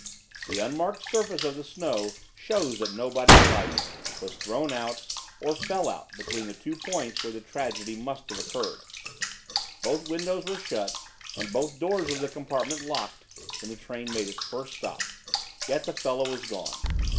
The unmarked surface of the snow shows that nobody alighted, was thrown out, or fell out between the two points where the tragedy must have occurred; both windows were shut and both doors of the compartment locked when the train made its first stop; yet the fellow was gone.